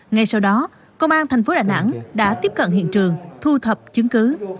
ngay sau đó công an thành phố đà nẵng đã tiếp cận hiện trường thu thập chứng cứ